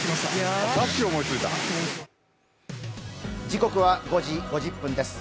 時刻は５時５０分です。